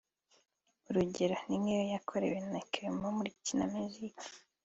urugero ni nk’iyo yakorewe na Clement wo muri Kina Music